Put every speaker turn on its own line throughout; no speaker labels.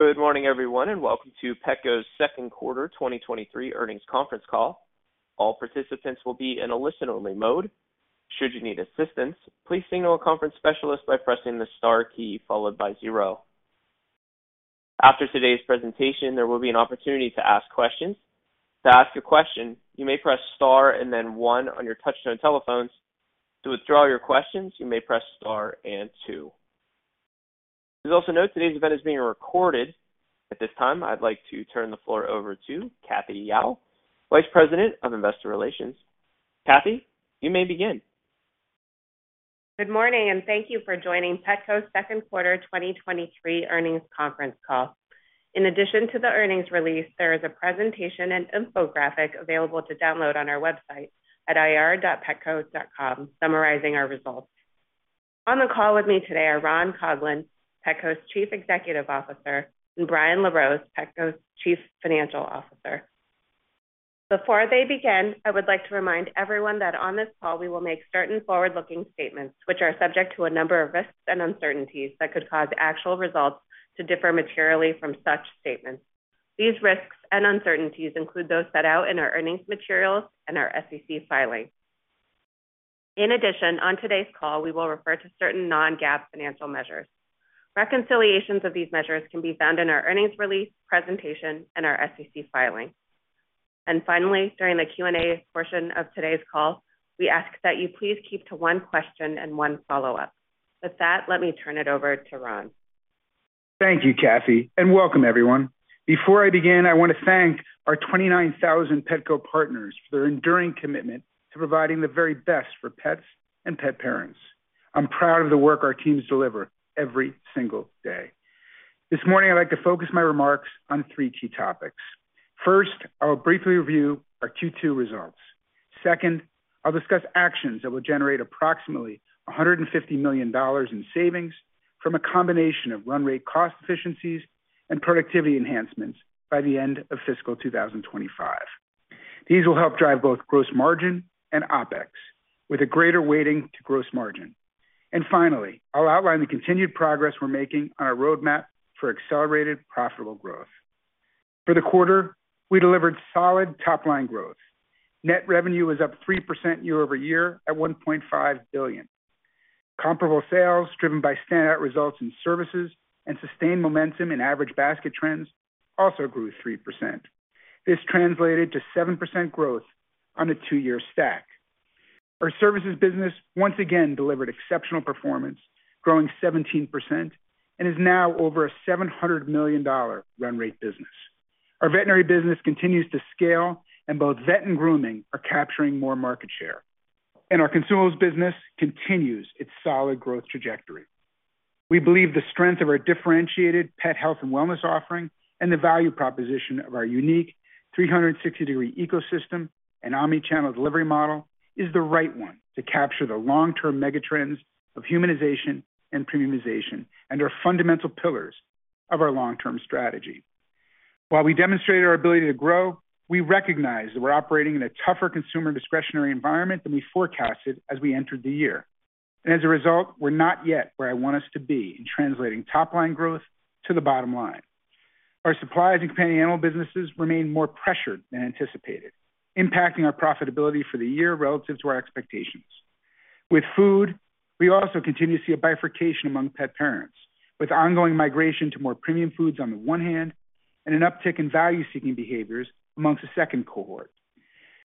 Good morning, everyone, and welcome to Petco's second quarter 2023 earnings conference call. All participants will be in a listen-only mode. Should you need assistance, please signal a conference specialist by pressing the star key followed by zero. After today's presentation, there will be an opportunity to ask questions. To ask a question, you may press star and then one on your touch-tone telephones. To withdraw your questions, you may press star and two. Please also note today's event is being recorded. At this time, I'd like to turn the floor over to Cathy Yao, Vice President of Investor Relations. Cathy, you may begin.
Good morning, and thank you for joining Petco's second quarter 2023 earnings conference call. In addition to the earnings release, there is a presentation and infographic available to download on our website at ir.petco.com, summarizing our results. On the call with me today are Ron Coughlin, Petco's Chief Executive Officer, and Brian LaRose, Petco's Chief Financial Officer. Before they begin, I would like to remind everyone that on this call, we will make certain forward-looking statements, which are subject to a number of risks and uncertainties that could cause actual results to differ materially from such statements. These risks and uncertainties include those set out in our earnings materials and our SEC filings. In addition, on today's call, we will refer to certain non-GAAP financial measures. Reconciliations of these measures can be found in our earnings release presentation and our SEC filing. Finally, during the Q&A portion of today's call, we ask that you please keep to one question and one follow-up. With that, let me turn it over to Ron.
Thank you, Cathy, and welcome everyone. Before I begin, I want to thank our 29,000 Petco partners for their enduring commitment to providing the very best for pets and pet parents. I'm proud of the work our teams deliver every single day. This morning, I'd like to focus my remarks on three key topics. First, I will briefly review our Q2 results. Second, I'll discuss actions that will generate approximately $150 million in savings from a combination of run rate cost efficiencies and productivity enhancements by the end of fiscal 2025. These will help drive both gross margin and OpEx, with a greater weighting to gross margin. And finally, I'll outline the continued progress we're making on our roadmap for accelerated, profitable growth. For the quarter, we delivered solid top-line growth. Net revenue was up 3% year-over-year at $1.5 billion. Comparable sales, driven by standout results in services and sustained momentum in average basket trends, also grew 3%. This translated to 7% growth on a two-year stack. Our services business once again delivered exceptional performance, growing 17% and is now over a $700 million run rate business. Our veterinary business continues to scale, and both vet and grooming are capturing more market share, and our consumables business continues its solid growth trajectory. We believe the strength of our differentiated pet health and wellness offering and the value proposition of our unique 360-degree ecosystem and omni-channel delivery model is the right one to capture the long-term megatrends of humanization and premiumization and are fundamental pillars of our long-term strategy. While we demonstrated our ability to grow, we recognize that we're operating in a tougher consumer discretionary environment than we forecasted as we entered the year. And as a result, we're not yet where I want us to be in translating top-line growth to the bottom line. Our supplies and companion animal businesses remain more pressured than anticipated, impacting our profitability for the year relative to our expectations. With food, we also continue to see a bifurcation among pet parents, with ongoing migration to more premium foods on the one hand, and an uptick in value-seeking behaviors amongst the second cohort.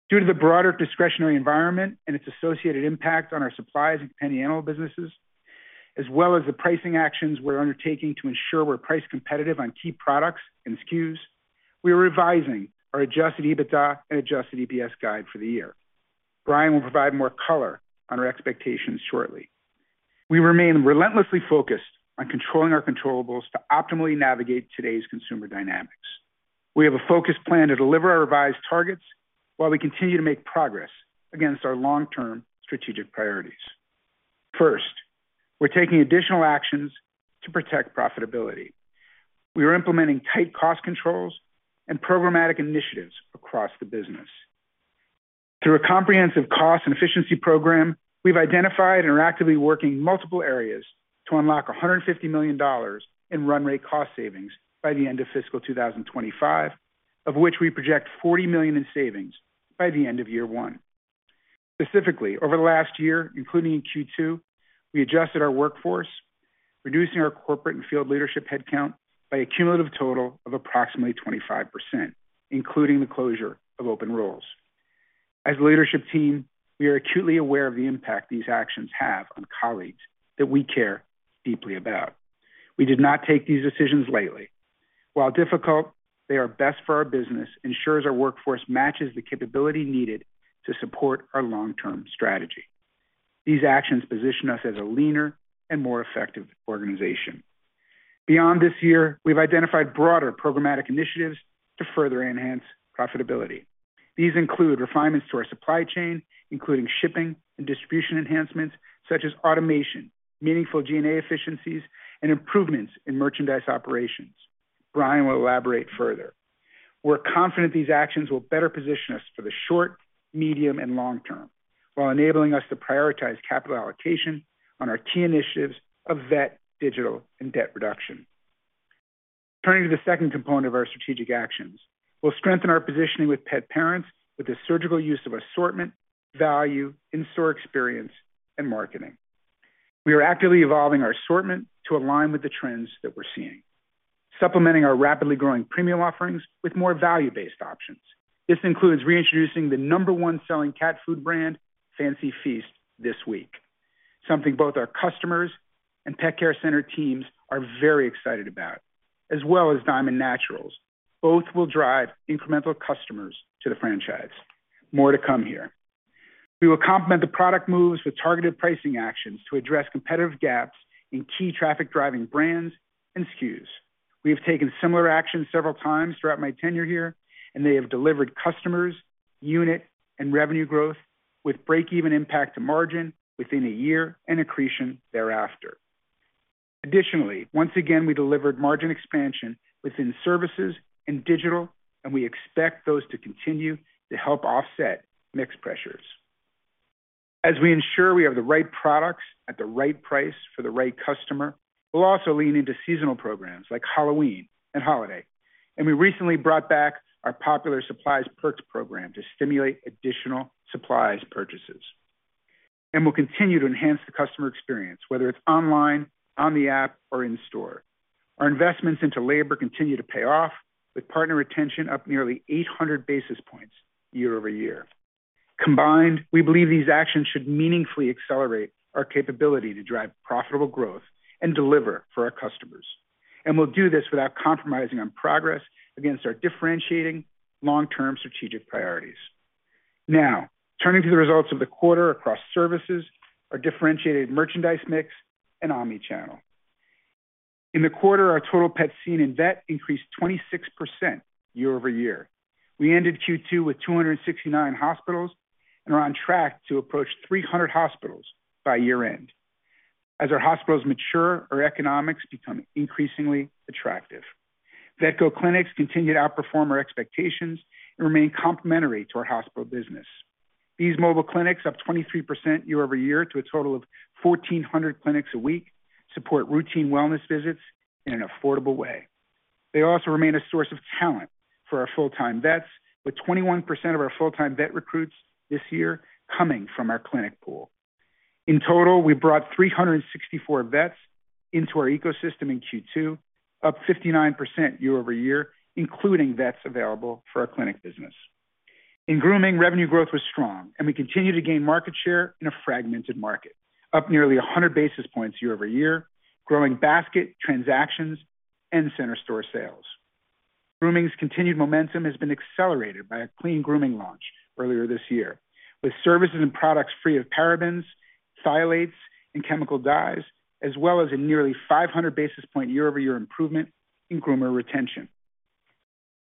Due to the broader discretionary environment and its associated impact on our supplies and companion animal businesses, as well as the pricing actions we're undertaking to ensure we're price competitive on key products and SKUs, we are revising our Adjusted EBITDA and Adjusted EPS guide for the year. Brian will provide more color on our expectations shortly. We remain relentlessly focused on controlling our controllables to optimally navigate today's consumer dynamics. We have a focused plan to deliver our revised targets while we continue to make progress against our long-term strategic priorities. First, we're taking additional actions to protect profitability. We are implementing tight cost controls and programmatic initiatives across the business. Through a comprehensive cost and efficiency program, we've identified and are actively working in multiple areas to unlock $150 million in run rate cost savings by the end of fiscal 2025, of which we project $40 million in savings by the end of year one. Specifically, over the last year, including in Q2, we adjusted our workforce, reducing our corporate and field leadership headcount by a cumulative total of approximately 25%, including the closure of open roles. As a leadership team, we are acutely aware of the impact these actions have on colleagues that we care deeply about. We did not take these decisions lightly. While difficult, they are best for our business, ensures our workforce matches the capability needed to support our long-term strategy. These actions position us as a leaner and more effective organization. Beyond this year, we've identified broader programmatic initiatives to further enhance profitability. These include refinements to our supply chain, including shipping and distribution enhancements such as automation, meaningful G&A efficiencies, and improvements in merchandise operations. Brian will elaborate further.... We're confident these actions will better position us for the short, medium, and long term, while enabling us to prioritize capital allocation on our key initiatives of vet, digital, and debt reduction. Turning to the second component of our strategic actions, we'll strengthen our positioning with pet parents with the surgical use of assortment, value, in-store experience, and marketing. We are actively evolving our assortment to align with the trends that we're seeing, supplementing our rapidly growing premium offerings with more value-based options. This includes reintroducing the number one selling cat food brand, Fancy Feast, this week, something both our customers and Pet Care Center teams are very excited about, as well as Diamond Naturals. Both will drive incremental customers to the franchise. More to come here. We will complement the product moves with targeted pricing actions to address competitive gaps in key traffic-driving brands and SKUs. We have taken similar actions several times throughout my tenure here, and they have delivered customers, unit, and revenue growth, with break-even impact to margin within a year and accretion thereafter. Additionally, once again, we delivered margin expansion within services and digital, and we expect those to continue to help offset mix pressures. As we ensure we have the right products at the right price for the right customer, we'll also lean into seasonal programs like Halloween and holiday. We recently brought back our popular Supplies Perks program to stimulate additional supplies purchases. We'll continue to enhance the customer experience, whether it's online, on the app, or in store. Our investments into labor continue to pay off, with partner retention up nearly 800 basis points year-over-year. Combined, we believe these actions should meaningfully accelerate our capability to drive profitable growth and deliver for our customers, and we'll do this without compromising on progress against our differentiating long-term strategic priorities. Now, turning to the results of the quarter across services, our differentiated merchandise mix, and omnichannel. In the quarter, our total pets seen in vet increased 26% year-over-year. We ended Q2 with 269 hospitals and are on track to approach 300 hospitals by year-end. As our hospitals mature, our economics become increasingly attractive. Vetco clinics continued to outperform our expectations and remain complementary to our hospital business. These mobile clinics, up 23% year-over-year to a total of 1,400 clinics a week, support routine wellness visits in an affordable way. They also remain a source of talent for our full-time vets, with 21% of our full-time vet recruits this year coming from our clinic pool. In total, we brought 364 vets into our ecosystem in Q2, up 59% year-over-year, including vets available for our clinic business. In grooming, revenue growth was strong, and we continue to gain market share in a fragmented market, up nearly 100 basis points year-over-year, growing basket, transactions, and center store sales. Grooming's continued momentum has been accelerated by a clean grooming launch earlier this year, with services and products free of parabens, phthalates, and chemical dyes, as well as a nearly 500 basis point year-over-year improvement in groomer retention.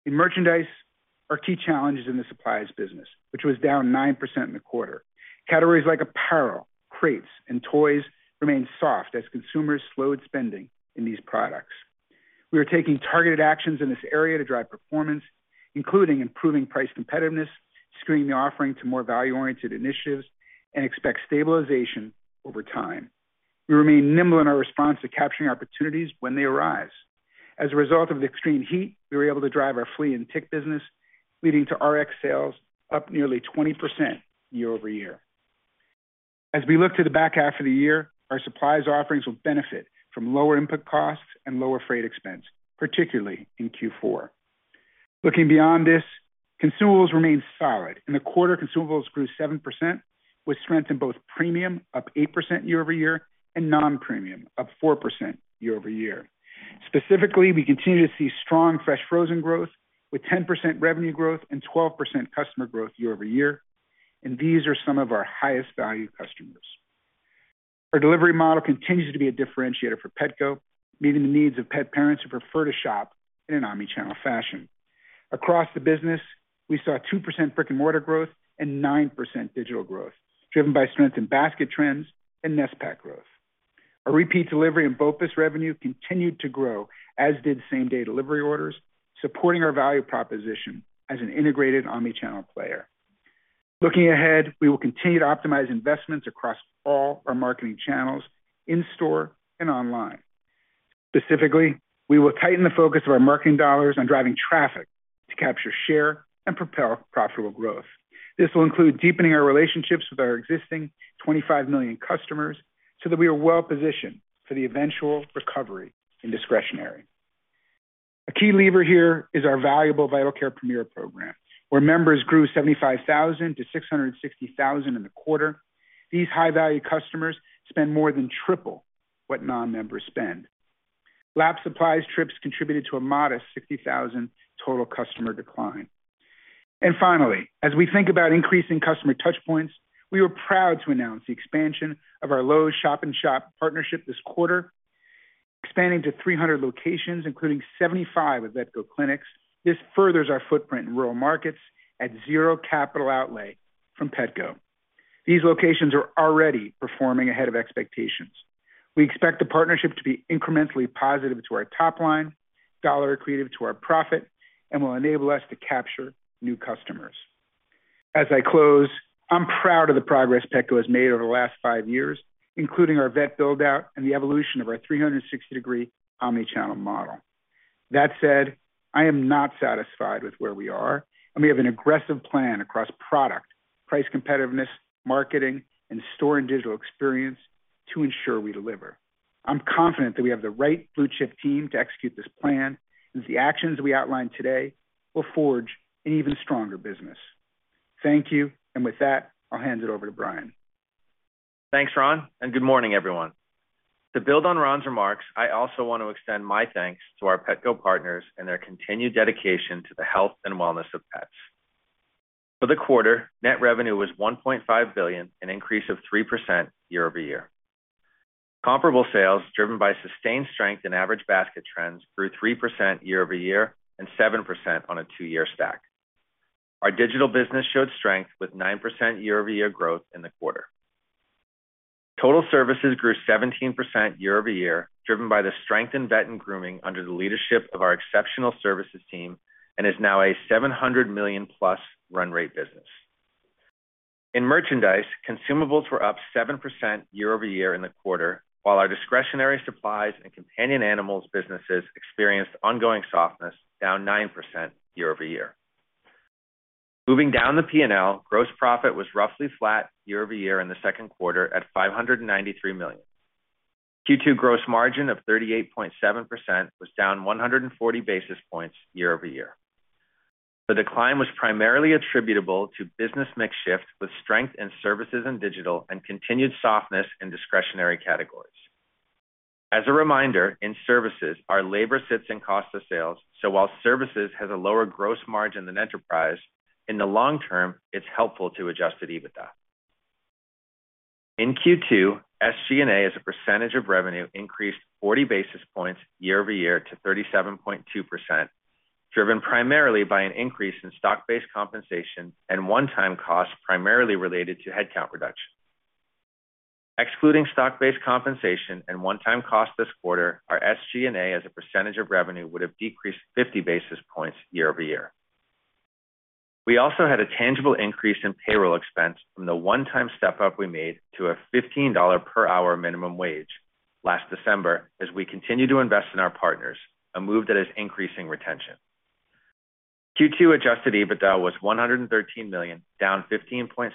In merchandise, our key challenge is in the supplies business, which was down 9% in the quarter. Categories like apparel, crates, and toys remain soft as consumers slowed spending in these products. We are taking targeted actions in this area to drive performance, including improving price competitiveness, screening the offering to more value-oriented initiatives, and expect stabilization over time. We remain nimble in our response to capturing opportunities when they arise. As a result of the extreme heat, we were able to drive our flea and tick business, leading to RX sales up nearly 20% year-over-year. As we look to the back half of the year, our supplies offerings will benefit from lower input costs and lower freight expense, particularly in Q4. Looking beyond this, consumables remain solid. In the quarter, consumables grew 7%, with strength in both premium, up 8% year-over-year, and non-premium, up 4% year-over-year. Specifically, we continue to see strong Fresh Frozen growth, with 10% revenue growth and 12% customer growth year-over-year, and these are some of our highest value customers. Our delivery model continues to be a differentiator for Petco, meeting the needs of pet parents who prefer to shop in an omnichannel fashion. Across the business, we saw 2% brick-and-mortar growth and 9% digital growth, driven by strength in basket trends and Nesspak growth. Our repeat delivery and BOPUS revenue continued to grow, as did same-day delivery orders, supporting our value proposition as an integrated omnichannel player. Looking ahead, we will continue to optimize investments across all our marketing channels in store and online. Specifically, we will tighten the focus of our marketing dollars on driving traffic to capture, share, and propel profitable growth. This will include deepening our relationships with our existing 25 million customers so that we are well positioned for the eventual recovery in discretionary. A key lever here is our valuable Vital Care Premier program, where members grew 75,000 to 660,000 in the quarter. These high-value customers spend more than triple what non-members spend. Lapsed supply trips contributed to a modest 60,000 total customer decline. Finally, as we think about increasing customer touch points, we were proud to announce the expansion of our Lowe's Shop-in-Shop partnership this quarter, expanding to 300 locations, including 75 with Vetco clinics. This furthers our footprint in rural markets at 0 capital outlay from Petco. These locations are already performing ahead of expectations. We expect the partnership to be incrementally positive to our top line, dollar accretive to our profit, and will enable us to capture new customers. As I close, I'm proud of the progress Petco has made over the last five years, including our vet build-out and the evolution of our 360-degree omnichannel model. That said, I am not satisfied with where we are, and we have an aggressive plan across product, price competitiveness, marketing, and store and digital experience to ensure we deliver. I'm confident that we have the right blue-chip team to execute this plan, and the actions we outlined today will forge an even stronger business. Thank you, and with that, I'll hand it over to Brian.
Thanks, Ron, and good morning, everyone. To build on Ron's remarks, I also want to extend my thanks to our Petco partners and their continued dedication to the health and wellness of pets. For the quarter, net revenue was $1.5 billion, an increase of 3% year-over-year. Comparable sales, driven by sustained strength in average basket trends, grew 3% year-over-year and 7% on a two-year stack. Our digital business showed strength with 9% year-over-year growth in the quarter. Total services grew 17% year-over-year, driven by the strength in vet and grooming under the leadership of our exceptional services team, and is now a $700 million-plus run rate business. In merchandise, consumables were up 7% year-over-year in the quarter, while our discretionary supplies and companion animals businesses experienced ongoing softness, down 9% year-over-year. Moving down the P&L, gross profit was roughly flat year-over-year in the second quarter at $593 million. Q2 gross margin of 38.7% was down 140 basis points year-over-year. The decline was primarily attributable to business mix shift, with strength in services and digital and continued softness in discretionary categories. As a reminder, in services, our labor sits in cost of sales, so while services has a lower gross margin than enterprise, in the long term, it's helpful to adjust to EBITDA. In Q2, SG&A, as a percentage of revenue, increased 40 basis points year-over-year to 37.2%, driven primarily by an increase in stock-based compensation and one-time costs, primarily related to headcount reduction. Excluding stock-based compensation and one-time costs this quarter, our SG&A, as a percentage of revenue, would have decreased 50 basis points year-over-year. We also had a tangible increase in payroll expense from the one-time step-up we made to a $15 per hour minimum wage last December, as we continue to invest in our partners, a move that is increasing retention. Q2 adjusted EBITDA was $113 million, down 15.7%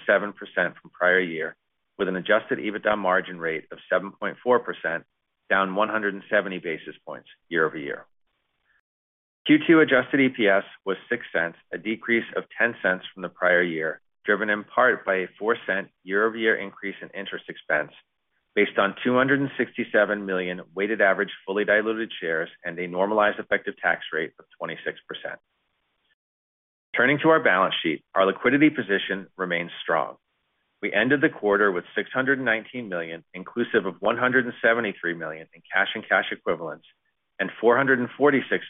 from prior year, with an adjusted EBITDA margin rate of 7.4%, down 170 basis points year-over-year. Q2 adjusted EPS was $0.06, a decrease of $0.10 from the prior year, driven in part by a $0.04 year-over-year increase in interest expense based on 267 million weighted average, fully diluted shares and a normalized effective tax rate of 26%. Turning to our balance sheet, our liquidity position remains strong. We ended the quarter with $619 million, inclusive of $173 million in cash and cash equivalents, and $446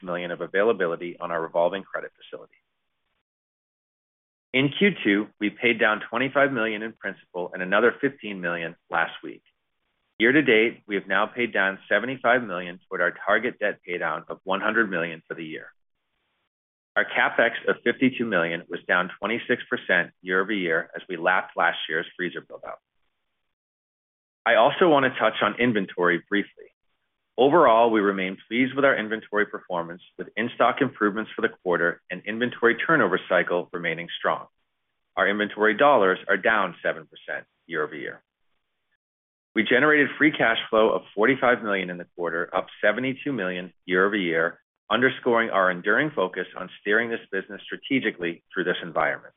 million of availability on our revolving credit facility. In Q2, we paid down $25 million in principal and another $15 million last week. Year to date, we have now paid down $75 million toward our target debt paydown of $100 million for the year. Our CapEx of $52 million was down 26% year over year as we lapped last year's freezer build-out. I also want to touch on inventory briefly. Overall, we remain pleased with our inventory performance, with in-stock improvements for the quarter and inventory turnover cycle remaining strong. Our inventory dollars are down 7% year-over-year. We generated free cash flow of $45 million in the quarter, up $72 million year-over-year, underscoring our enduring focus on steering this business strategically through this environment.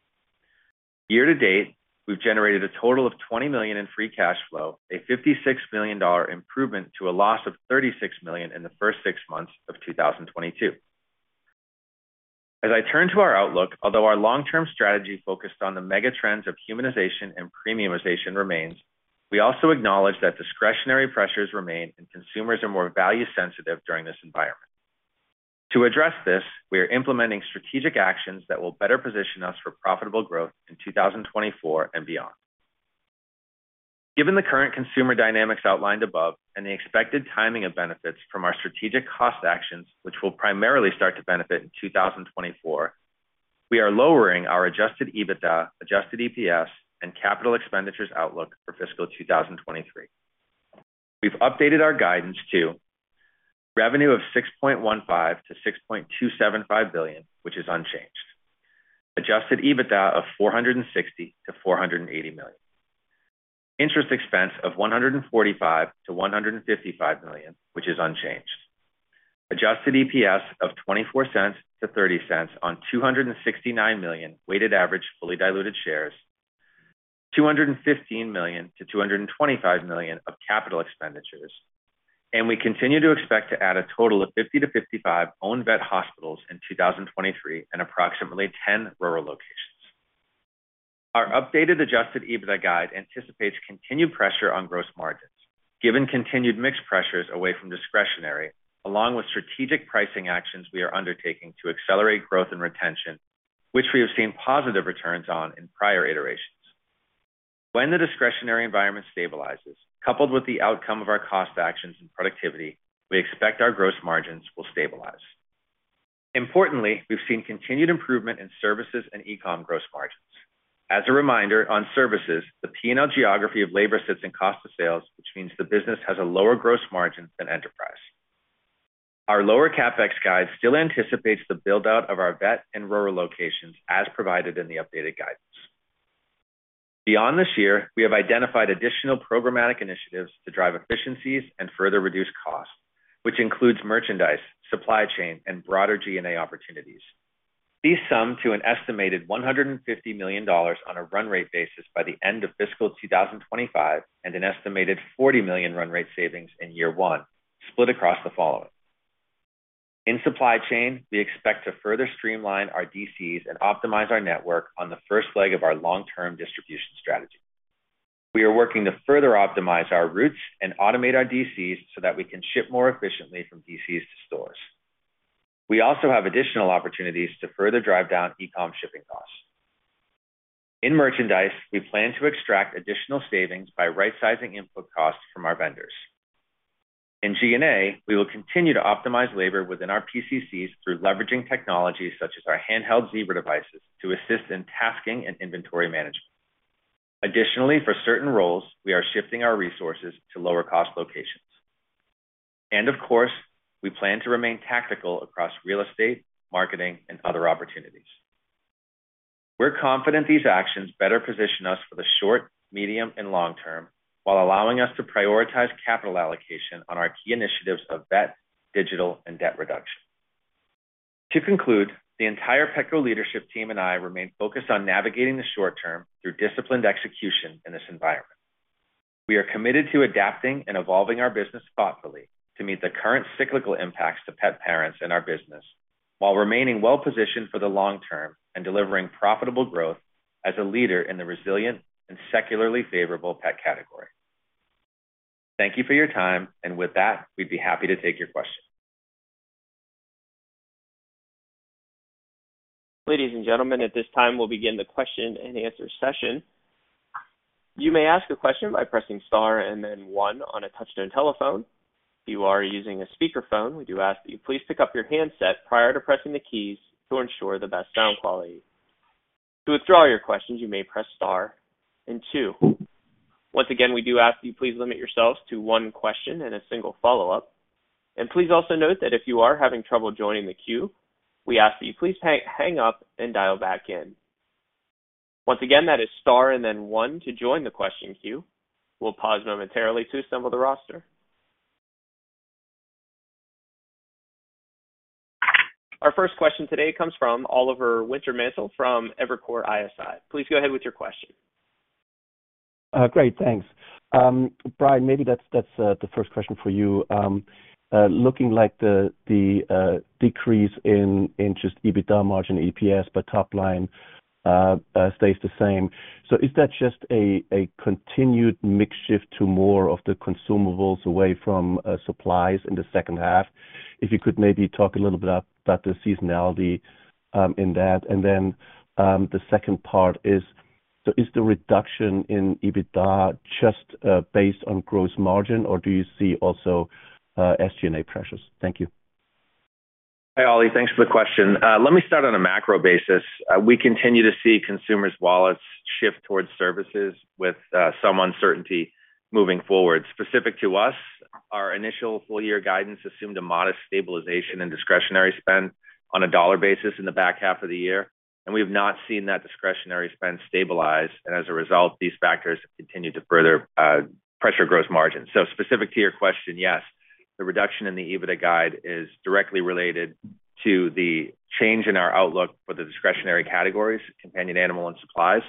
Year to date, we've generated a total of $20 million in free cash flow, a $56 million improvement to a loss of $36 million in the first six months of 2022. As I turn to our outlook, although our long-term strategy focused on the mega trends of humanization and premiumization remains, we also acknowledge that discretionary pressures remain, and consumers are more value sensitive during this environment. To address this, we are implementing strategic actions that will better position us for profitable growth in 2024 and beyond. Given the current consumer dynamics outlined above and the expected timing of benefits from our strategic cost actions, which will primarily start to benefit in 2024, we are lowering our Adjusted EBITDA, Adjusted EPS, and capital expenditures outlook for fiscal 2023. We've updated our guidance to revenue of $6.15 billion-$6.275 billion, which is unchanged. Adjusted EBITDA of $460 million-$480 million. Interest expense of $145 million-$155 million, which is unchanged. Adjusted EPS of $0.24-$0.30 on 269 million weighted average, fully diluted shares, $215 million-$225 million of capital expenditures, and we continue to expect to add a total of 50-55 owned vet hospitals in 2023, and approximately 10 rural locations. Our updated Adjusted EBITDA guide anticipates continued pressure on gross margins, given continued mix pressures away from discretionary, along with strategic pricing actions we are undertaking to accelerate growth and retention, which we have seen positive returns on in prior iterations. When the discretionary environment stabilizes, coupled with the outcome of our cost actions and productivity, we expect our gross margins will stabilize. Importantly, we've seen continued improvement in services and e-com gross margins. As a reminder, on services, the P&L geography of labor sits in cost of sales, which means the business has a lower gross margin than enterprise. Our lower CapEx guide still anticipates the build-out of our vet and rural locations, as provided in the updated guidance. Beyond this year, we have identified additional programmatic initiatives to drive efficiencies and further reduce costs, which includes merchandise, supply chain, and broader G&A opportunities. These sum to an estimated $150 million on a run rate basis by the end of fiscal 2025, and an estimated $40 million run rate savings in year one, split across the following. In supply chain, we expect to further streamline our DCs and optimize our network on the first leg of our long-term distribution strategy. We are working to further optimize our routes and automate our DCs so that we can ship more efficiently from DCs to stores. We also have additional opportunities to further drive down e-com shipping costs. In merchandise, we plan to extract additional savings by right sizing input costs from our vendors. In G&A, we will continue to optimize labor within our PCCs through leveraging technologies such as our handheld Zebra devices, to assist in tasking and inventory management. Additionally, for certain roles, we are shifting our resources to lower cost locations. Of course, we plan to remain tactical across real estate, marketing, and other opportunities. We're confident these actions better position us for the short, medium, and long term, while allowing us to prioritize capital allocation on our key initiatives of vet, digital, and debt reduction. To conclude, the entire Petco leadership team and I remain focused on navigating the short term through disciplined execution in this environment. We are committed to adapting and evolving our business thoughtfully to meet the current cyclical impacts to pet parents and our business, while remaining well-positioned for the long term and delivering profitable growth as a leader in the resilient and secularly favorable pet category. Thank you for your time, and with that, we'd be happy to take your questions.
Ladies and gentlemen, at this time, we'll begin the question-and-answer session. You may ask a question by pressing star and then one on a touch-tone telephone. If you are using a speakerphone, we do ask that you please pick up your handset prior to pressing the keys to ensure the best sound quality. To withdraw your questions, you may press star and two. Once again, we do ask that you please limit yourselves to one question and a single follow-up. Please also note that if you are having trouble joining the queue, we ask that you please hang up and dial back in. Once again, that is star and then one to join the question queue. We'll pause momentarily to assemble the roster. Our first question today comes from Oliver Wintermantel from Evercore ISI. Please go ahead with your question.
Great, thanks. Brian, maybe that's the first question for you. Looking like the decrease in just EBITDA margin, EPS, but top line stays the same. So is that just a continued mix shift to more of the consumables away from supplies in the second half? If you could maybe talk a little bit about the seasonality in that. And then, the second part is, so is the reduction in EBITDA just based on gross margin, or do you see also SG&A pressures? Thank you.
Hi, Ollie. Thanks for the question. Let me start on a macro basis. We continue to see consumers' wallets shift towards services with some uncertainty moving forward. Specific to us, our initial full year guidance assumed a modest stabilization in discretionary spend on a dollar basis in the back half of the year, and we have not seen that discretionary spend stabilize, and as a result, these factors continue to further pressure gross margin. So specific to your question, yes, the reduction in the EBITDA guide is directly related to the change in our outlook for the discretionary categories, companion animal and supplies,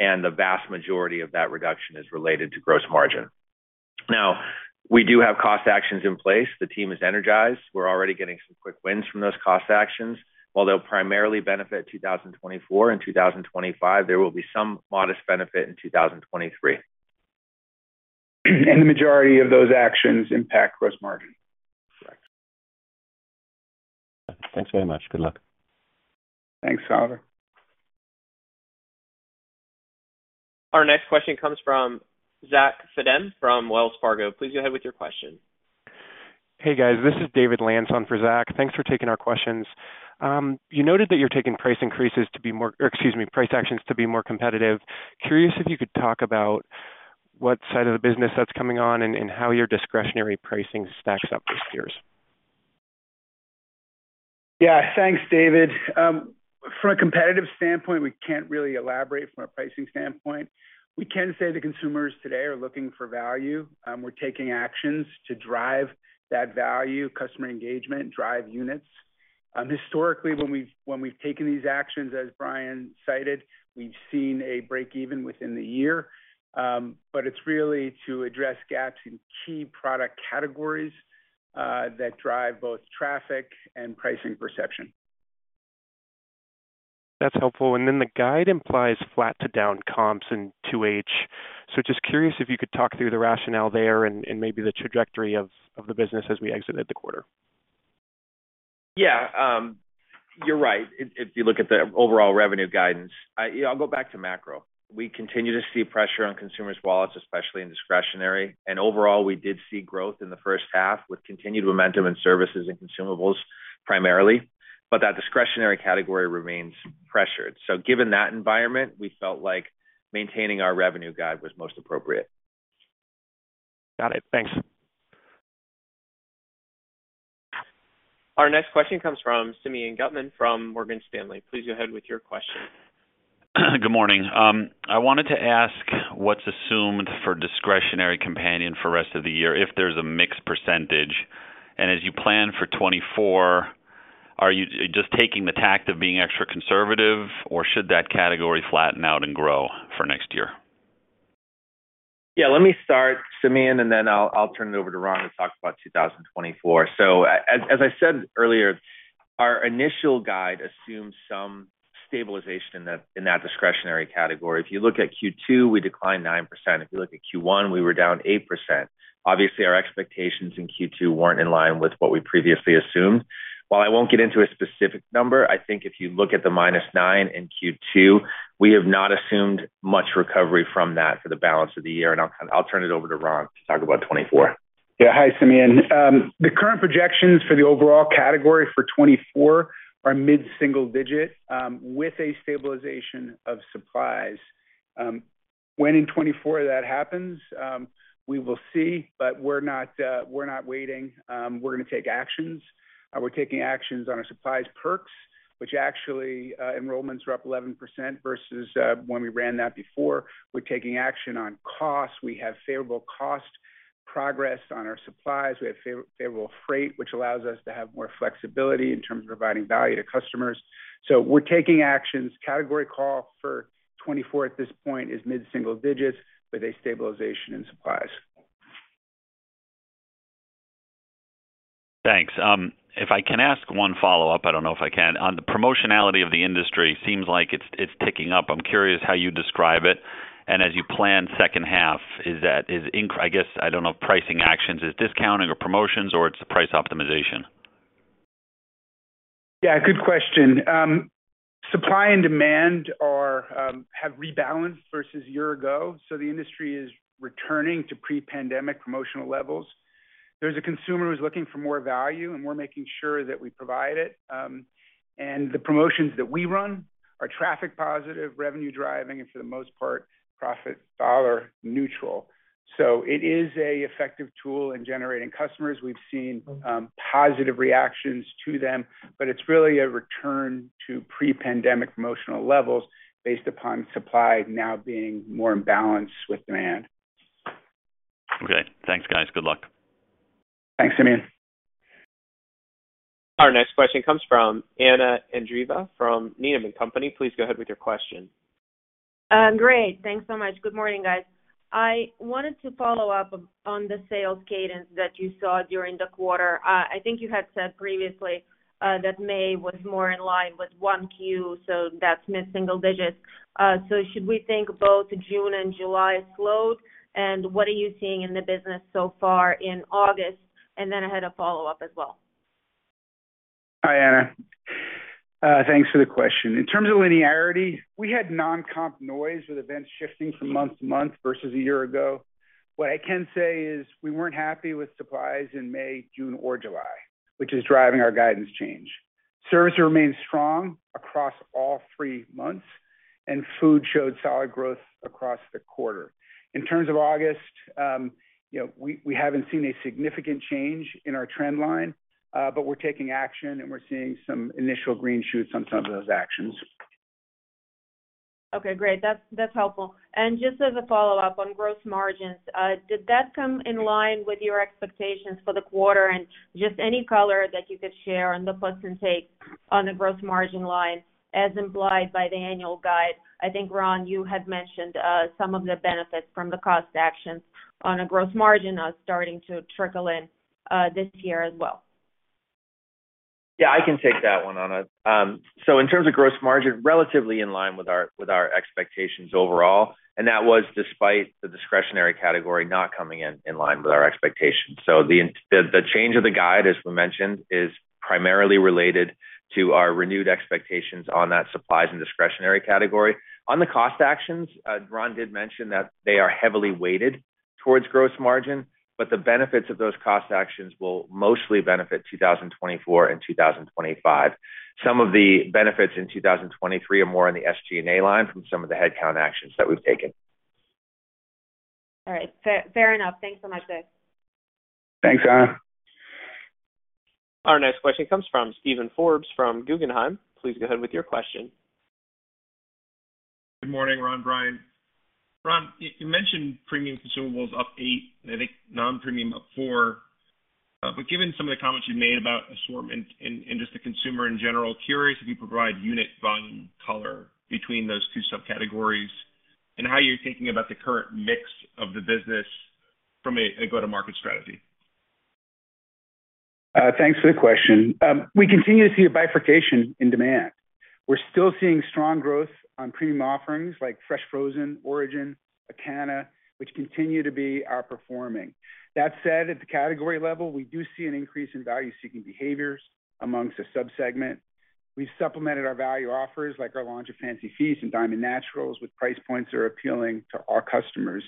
and the vast majority of that reduction is related to gross margin. Now, we do have cost actions in place. The team is energized. We're already getting some quick wins from those cost actions. While they'll primarily benefit 2024 and 2025, there will be some modest benefit in 2023.
The majority of those actions impact gross margin.
Correct.
Thanks very much. Good luck.
Thanks, Oliver.
Our next question comes from Zach Fadem from Wells Fargo. Please go ahead with your question.
Hey, guys. This is David Lantz on for Zach. Thanks for taking our questions. You noted that you're taking price increases to be more... Excuse me, price actions to be more competitive. Curious if you could talk about what side of the business that's coming on and how your discretionary pricing stacks up with peers.
Yeah, thanks, David. From a competitive standpoint, we can't really elaborate from a pricing standpoint. We can say the consumers today are looking for value. We're taking actions to drive that value, customer engagement, drive units. Historically, when we've taken these actions, as Brian cited, we've seen a break even within the year. But it's really to address gaps in key product categories, that drive both traffic and pricing perception....
That's helpful. And then the guide implies flat to down comps in 2H. So just curious if you could talk through the rationale there and, and maybe the trajectory of, of the business as we exited the quarter.
Yeah, you're right. If you look at the overall revenue guidance, yeah, I'll go back to macro. We continue to see pressure on consumers' wallets, especially in discretionary, and overall, we did see growth in the first half, with continued momentum in services and consumables primarily. But that discretionary category remains pressured. So given that environment, we felt like maintaining our revenue guide was most appropriate.
Got it. Thanks.
Our next question comes from Simeon Gutman from Morgan Stanley. Please go ahead with your question.
Good morning. I wanted to ask what's assumed for discretionary companion for rest of the year, if there's a mixed percentage, and as you plan for 2024, are you just taking the tack of being extra conservative, or should that category flatten out and grow for next year?
Yeah, let me start, Simeon, and then I'll turn it over to Ron to talk about 2024. So as I said earlier, our initial guide assumes some stabilization in that discretionary category. If you look at Q2, we declined 9%. If you look at Q1, we were down 8%. Obviously, our expectations in Q2 weren't in line with what we previously assumed. While I won't get into a specific number, I think if you look at the -9% in Q2, we have not assumed much recovery from that for the balance of the year. And I'll turn it over to Ron to talk about 2024.
Yeah. Hi, Simeon. The current projections for the overall category for 2024 are mid-single digit, with a stabilization of supplies. When in 2024 that happens, we will see, but we're not waiting. We're gonna take actions. We're taking actions on our Supplies Perks, which actually, enrollments are up 11% versus when we ran that before. We're taking action on cost. We have favorable cost progress on our supplies. We have favorable freight, which allows us to have more flexibility in terms of providing value to customers. So we're taking actions. Category call for 2024 at this point is mid-single digits with a stabilization in supplies.
Thanks. If I can ask one follow-up, I don't know if I can. On the promotionality of the industry, seems like it's ticking up. I'm curious how you describe it, and as you plan second half, is that, I guess, I don't know, pricing actions, is discounting or promotions, or it's price optimization?
Yeah, good question. Supply and demand have rebalanced versus a year ago, so the industry is returning to pre-pandemic promotional levels. There's a consumer who's looking for more value, and we're making sure that we provide it. The promotions that we run are traffic positive, revenue driving, and for the most part, profit dollar neutral. So it is a effective tool in generating customers. We've seen positive reactions to them, but it's really a return to pre-pandemic promotional levels based upon supply now being more in balance with demand.
Okay. Thanks, guys. Good luck.
Thanks, Simeon.
Our next question comes from Anna Andreeva from Needham and Company. Please go ahead with your question.
Great. Thanks so much. Good morning, guys. I wanted to follow up on the sales cadence that you saw during the quarter. I think you had said previously that May was more in line with 1Q, so that's mid-single digits. So should we think both June and July slowed, and what are you seeing in the business so far in August? And then I had a follow-up as well.
Hi, Anna. Thanks for the question. In terms of linearity, we had non-comp noise with events shifting from month to month versus a year ago. What I can say is we weren't happy with supplies in May, June, or July, which is driving our guidance change. Service remained strong across all three months, and food showed solid growth across the quarter. In terms of August, you know, we haven't seen a significant change in our trend line, but we're taking action, and we're seeing some initial green shoots on some of those actions.
Okay, great. That's, that's helpful. And just as a follow-up on gross margins, did that come in line with your expectations for the quarter? And just any color that you could share on the plus and take on the gross margin line, as implied by the annual guide. I think, Ron, you had mentioned some of the benefits from the cost actions on a gross margin are starting to trickle in this year as well. Yeah, I can take that one, Anna. So in terms of gross margin, relatively in line with our, with our expectations overall, and that was despite the discretionary category not coming in line with our expectations. So the change of the guide, as we mentioned, is primarily related to our renewed expectations on that supplies and discretionary category.
On the cost actions, Ron did mention that they are heavily weighted towards gross margin, but the benefits of those cost actions will mostly benefit 2024 and 2025. Some of the benefits in 2023 are more on the SG&A line from some of the headcount actions that we've taken.
All right. Fair, fair enough. Thanks so much, guys.
Thanks, Anna.
Our next question comes from Steven Forbes, from Guggenheim. Please go ahead with your question.
Good morning, Ron, Brian. Ron, you mentioned premium consumables up 8, and I think non-premium up 4. But given some of the comments you've made about assortment and just the consumer in general, curious if you provide unit volume color between those two subcategories and how you're thinking about the current mix of the business from a go-to-market strategy? ...
Thanks for the question. We continue to see a bifurcation in demand. We're still seeing strong growth on premium offerings like Fresh Frozen, Orijen, Acana, which continue to be outperforming. That said, at the category level, we do see an increase in value-seeking behaviors amongst the sub-segment. We've supplemented our value offers, like our launch of Fancy Feast and Diamond Naturals, with price points that are appealing to our customers.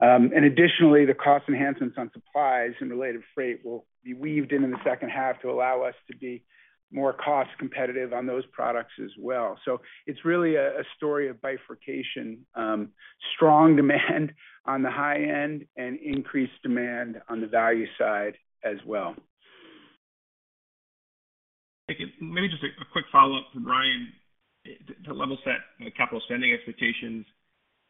And additionally, the cost enhancements on supplies and related freight will be weaved in in the second half to allow us to be more cost competitive on those products as well. So it's really a story of bifurcation, strong demand on the high end and increased demand on the value side as well.
Thank you. Maybe just a quick follow-up for Brian. To level set the capital spending expectations,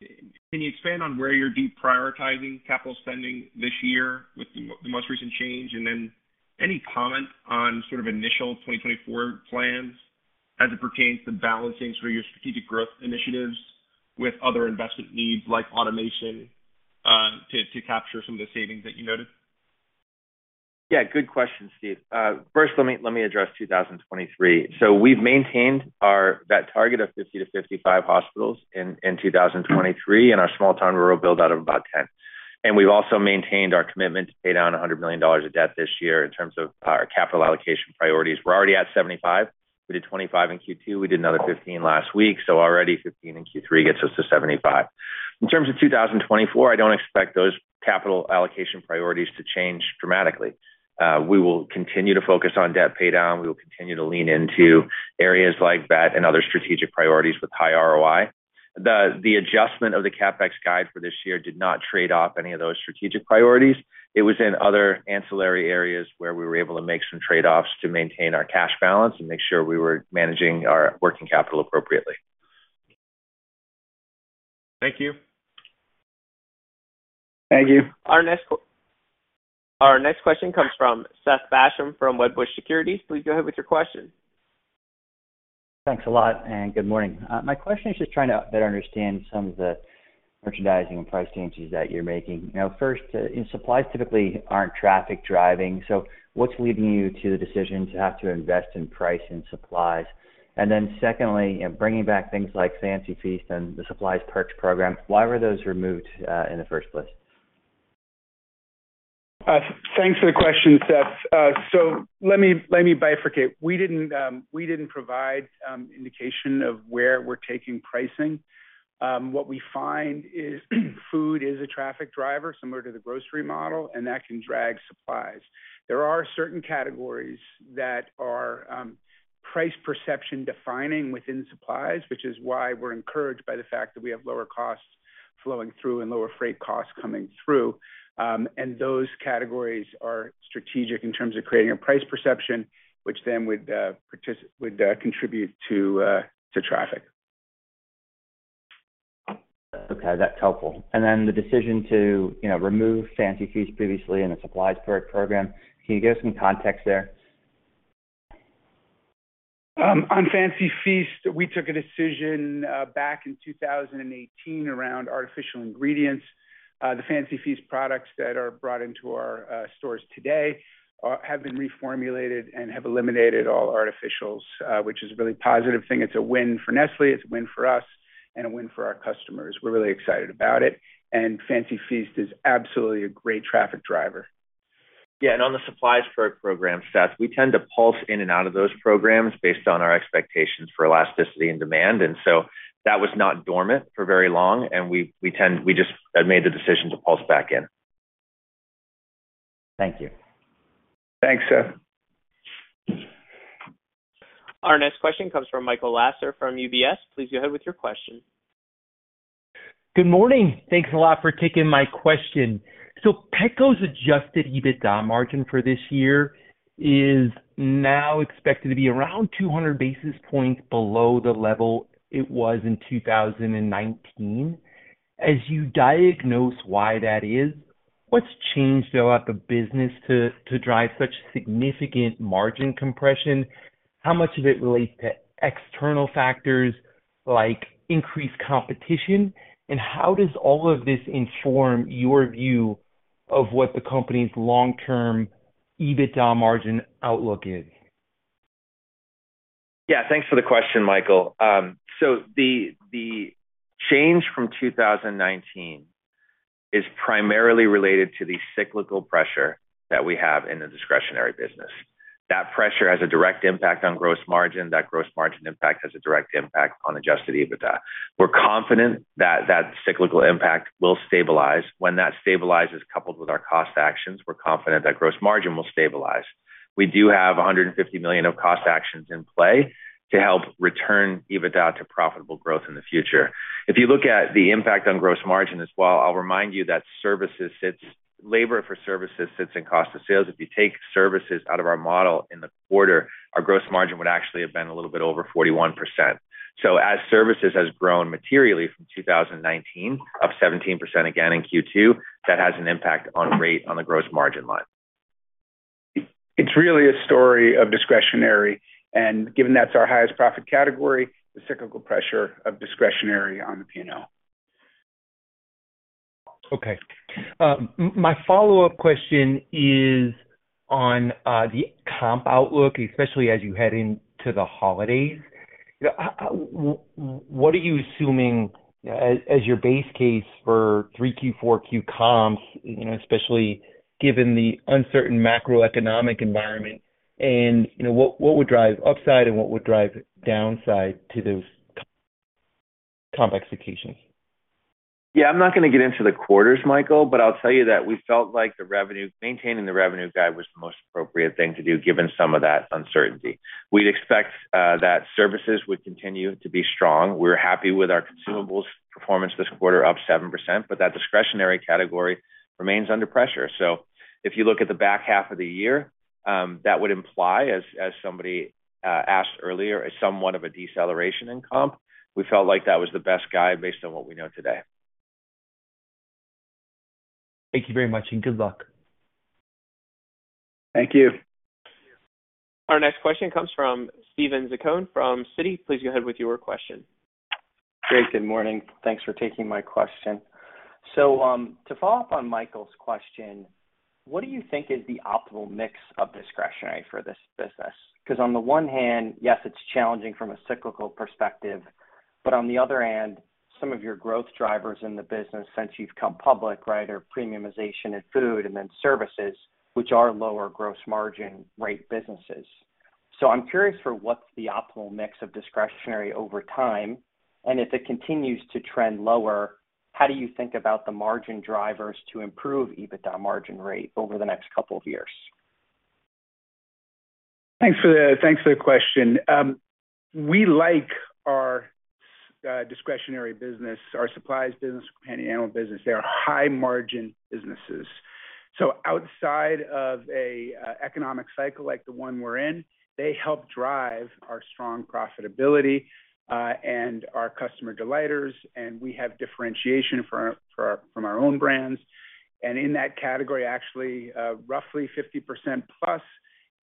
can you expand on where you're deprioritizing capital spending this year with the most recent change? And then any comment on sort of initial 2024 plans as it pertains to balancing sort of your strategic growth initiatives with other investment needs, like automation, to capture some of the savings that you noted?
Yeah, good question, Steve. First, let me address 2023. So we've maintained our that target of 50-55 hospitals in 2023, and our small town rural build out of about 10. And we've also maintained our commitment to pay down $100 million of debt this year in terms of our capital allocation priorities. We're already at $75 million. We did $25 million in Q2. We did another $15 million last week, so already $15 million in Q3 gets us to $75 million. In terms of 2024, I don't expect those capital allocation priorities to change dramatically. We will continue to focus on debt paydown. We will continue to lean into areas like that and other strategic priorities with high ROI. The adjustment of the CapEx guide for this year did not trade off any of those strategic priorities. It was in other ancillary areas where we were able to make some trade-offs to maintain our cash balance and make sure we were managing our working capital appropriately.
Thank you.
Thank you.
Our next question comes from Seth Basham from Wedbush Securities. Please go ahead with your question.
Thanks a lot, and good morning. My question is just trying to better understand some of the merchandising and price changes that you're making. You know, first, and supplies typically aren't traffic driving, so what's leading you to the decision to have to invest in price and supplies? And then secondly, in bringing back things like Fancy Feast and the Supplies Perks, why were those removed, in the first place?
Thanks for the question, Seth. So let me bifurcate. We didn't provide indication of where we're taking pricing. What we find is, food is a traffic driver, similar to the grocery model, and that can drag supplies. There are certain categories that are price perception defining within supplies, which is why we're encouraged by the fact that we have lower costs flowing through and lower freight costs coming through. And those categories are strategic in terms of creating a price perception, which then would contribute to traffic.
Okay, that's helpful. Then the decision to, you know, remove Fancy Feast previously in the supplies purchase program, can you give some context there?
On Fancy Feast, we took a decision back in 2018 around artificial ingredients. The Fancy Feast products that are brought into our stores today have been reformulated and have eliminated all artificials, which is a really positive thing. It's a win for Nestlé, it's a win for us, and a win for our customers. We're really excited about it, and Fancy Feast is absolutely a great traffic driver.
Yeah, and on the supplies purchase program, Seth, we tend to pulse in and out of those programs based on our expectations for elasticity and demand, and so that was not dormant for very long, and we just made the decision to pulse back in.
Thank you.
Thanks, Seth.
Our next question comes from Michael Lasser from UBS. Please go ahead with your question.
Good morning. Thanks a lot for taking my question. So Petco's adjusted EBITDA margin for this year is now expected to be around 200 basis points below the level it was in 2019. As you diagnose why that is, what's changed throughout the business to drive such significant margin compression? How much of it relates to external factors like increased competition, and how does all of this inform your view of what the company's long-term EBITDA margin outlook is?
Yeah, thanks for the question, Michael. So the change from 2019 is primarily related to the cyclical pressure that we have in the discretionary business. That pressure has a direct impact on gross margin. That gross margin impact has a direct impact on adjusted EBITDA. We're confident that that cyclical impact will stabilize. When that stabilizes, coupled with our cost actions, we're confident that gross margin will stabilize. We do have $150 million of cost actions in play to help return EBITDA to profitable growth in the future. If you look at the impact on gross margin as well, I'll remind you that services sits, labor for services sits in cost of sales. If you take services out of our model in the quarter, our gross margin would actually have been a little bit over 41%. So as services has grown materially from 2019, up 17% again in Q2, that has an impact on rate on the gross margin line.
It's really a story of discretionary, and given that's our highest profit category, the cyclical pressure of discretionary on the P&L.
Okay. My follow-up question is on the comp outlook, especially as you head into the holidays. You know, what are you assuming as your base case for Q3, Q4 comps, you know, especially given the uncertain macroeconomic environment, and, you know, what would drive upside and what would drive downside to those comp expectations?
Yeah, I'm not gonna get into the quarters, Michael, but I'll tell you that we felt like the revenue, maintaining the revenue guide was the most appropriate thing to do, given some of that uncertainty. We'd expect that services would continue to be strong. We're happy with our consumables performance this quarter, up 7%, but that discretionary category remains under pressure. So if you look at the back half of the year, that would imply, as somebody asked earlier, as somewhat of a deceleration in comp. We felt like that was the best guide based on what we know today.
Thank you very much, and good luck.
Thank you.
Our next question comes from Steven Zaccone from Citi. Please go ahead with your question.
Great. Good morning. Thanks for taking my question. So, to follow up on Michael's question, what do you think is the optimal mix of discretionary for this business? Because on the one hand, yes, it's challenging from a cyclical perspective, but on the other hand, some of your growth drivers in the business since you've come public, right, are premiumization in food and then services, which are lower gross margin rate businesses. So I'm curious for what's the optimal mix of discretionary over time, and if it continues to trend lower, how do you think about the margin drivers to improve EBITDA margin rate over the next couple of years?
Thanks for the question. We like our discretionary business, our supplies business, companion animal business. They are high-margin businesses. So outside of an economic cycle like the one we're in, they help drive our strong profitability and our customer delighters, and we have differentiation from our own brands. And in that category, actually, roughly 50% plus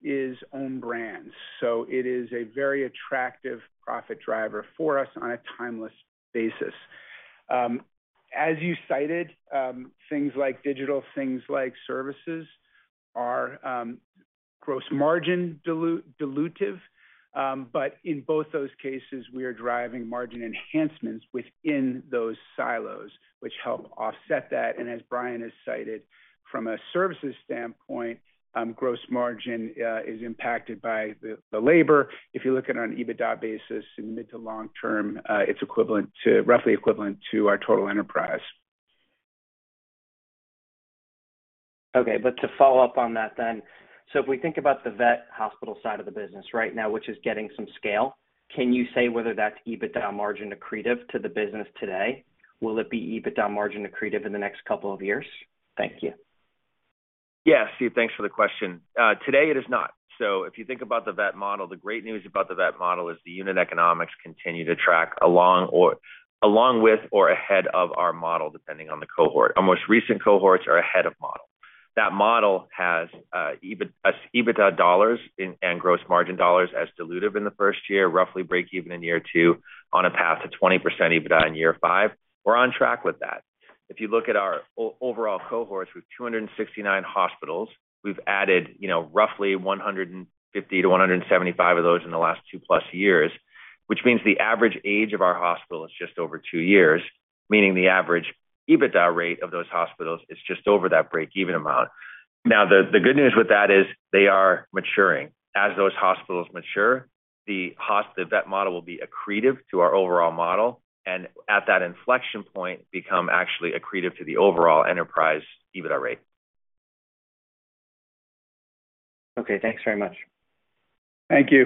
is own brands, so it is a very attractive profit driver for us on a timeless basis. As you cited, things like digital, things like services, are gross margin dilutive, but in both those cases, we are driving margin enhancements within those silos, which help offset that. And as Brian has cited, from a services standpoint, gross margin is impacted by the labor. If you're looking on an EBITDA basis in mid to long term, it's equivalent to... roughly equivalent to our total enterprise.
Okay, but to follow up on that then, so if we think about the vet hospital side of the business right now, which is getting some scale, can you say whether that's EBITDA margin accretive to the business today? Will it be EBITDA margin accretive in the next couple of years? Thank you.
Yeah, Steve, thanks for the question. Today it is not. So if you think about the vet model, the great news about the vet model is the unit economics continue to track along or, along with or ahead of our model, depending on the cohort. Our most recent cohorts are ahead of model. That model has, EBITDA, EBITDA dollars in, and gross margin dollars as dilutive in the first year, roughly break even in year two, on a path to 20% EBITDA in year five. We're on track with that. If you look at our overall cohorts, with 269 hospitals, we've added, you know, roughly 150-175 of those in the last 2+ years, which means the average age of our hospital is just over 2 years, meaning the average EBITDA rate of those hospitals is just over that break-even amount. Now, the good news with that is they are maturing. As those hospitals mature, the vet model will be accretive to our overall model, and at that inflection point, become actually accretive to the overall enterprise EBITDA rate.
Okay, thanks very much.
Thank you.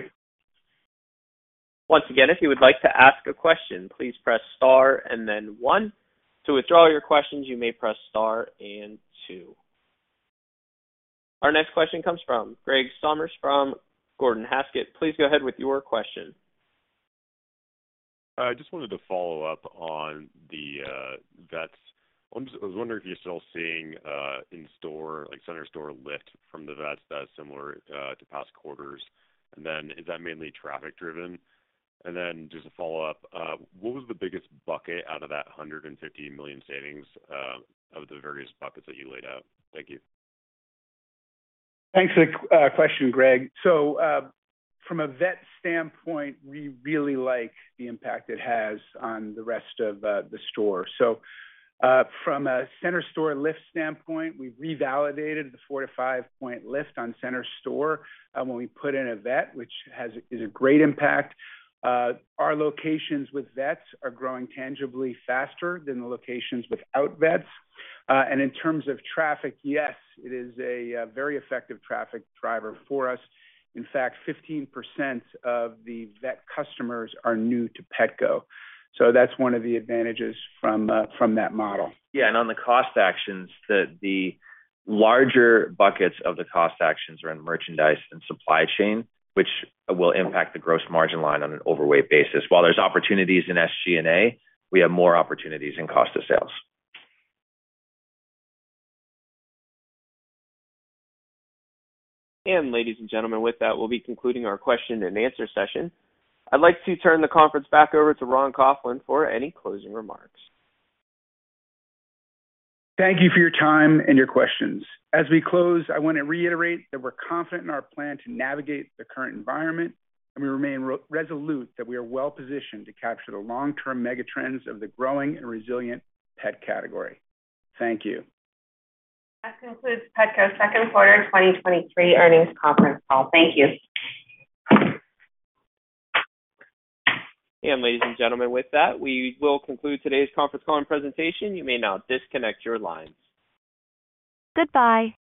Once again, if you would like to ask a question, please press star and then one. To withdraw your questions, you may press star and two. Our next question comes from Greg Somers from Gordon Haskett. Please go ahead with your question.
Just wanted to follow up on the vets. I'm just. I was wondering if you're still seeing in-store, like, center store lift from the vets that is similar to past quarters. And then, is that mainly traffic driven? And then, just to follow up, what was the biggest bucket out of that $150 million savings of the various buckets that you laid out? Thank you.
Thanks for the question, Greg. So, from a vet standpoint, we really like the impact it has on the rest of the store. So, from a center store lift standpoint, we revalidated the 4-5-point lift on center store when we put in a vet, which is a great impact. Our locations with vets are growing tangibly faster than the locations without vets. And in terms of traffic, yes, it is a very effective traffic driver for us. In fact, 15% of the vet customers are new to Petco, so that's one of the advantages from that model.
Yeah, and on the cost actions, the larger buckets of the cost actions are in merchandise and supply chain, which will impact the gross margin line on an overweight basis. While there's opportunities in SG&A, we have more opportunities in cost of sales.
Ladies and gentlemen, with that, we'll be concluding our question and answer session. I'd like to turn the conference back over to Ron Coughlin for any closing remarks.
Thank you for your time and your questions. As we close, I want to reiterate that we're confident in our plan to navigate the current environment, and we remain resolute that we are well positioned to capture the long-term megatrends of the growing and resilient pet category. Thank you.
That concludes Petco's second quarter 2023 earnings conference call. Thank you.
Ladies and gentlemen, with that, we will conclude today's conference call and presentation. You may now disconnect your lines.
Goodbye.